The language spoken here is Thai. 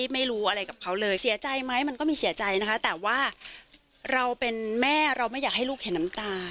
ไม่รู้อะไรกับเขาเลยเสียใจไหมมันก็มีเสียใจนะคะแต่ว่าเราเป็นแม่เราไม่อยากให้ลูกเห็นน้ำตา